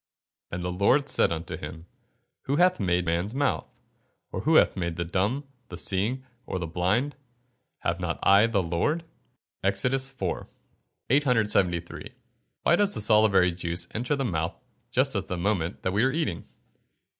[Verse: "And the Lord said unto him, Who hath made man's mouth? or who maketh the dumb, or the seeing, or the blind? have not I the Lord?" EXODUS IV.] 873. _Why does the salivary juice enter the mouth just at the moment that we are eating?